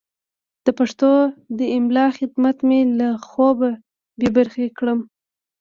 د پښتو د املا خدمت مې له خوبه بې برخې کړم.